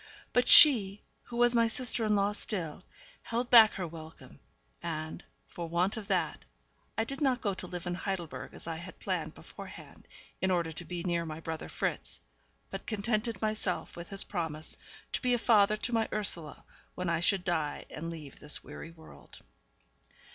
But she, who was my sister in law still, held back her welcome, and, for want of that, I did not go to live in Heidelberg as I had planned beforehand, in order to be near my brother Fritz, but contented myself with his promise to be a father to my Ursula when I should die and leave this weary world.